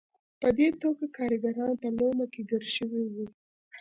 په دې توګه کارګران په لومه کې ګیر شوي وو.